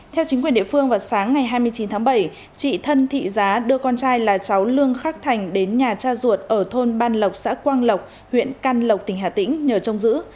theo chính quyền địa phương vào sáng ngày hai mươi chín tháng bảy chị thân thị giá đưa con trai là cháu lương khắc thành đến nhà cha ruột ở thôn ban lộc xã quang lộc huyện can lộc tỉnh hà tĩnh nhờ trông giữ